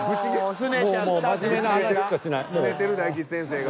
すねてる大吉先生が。